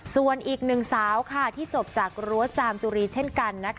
ส่วนอีกหนึ่งสาวที่จบจากรั้วจามจุรีเช่นกัน